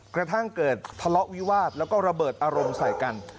กระทั่งเกิดทะเลาะวิวาสแล้วก็ระเบิดอารมณ์ใส่กัน